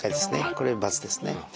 これは×ですね。